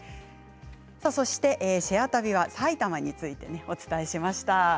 そして「シェア旅」は埼玉についてお伝えしました。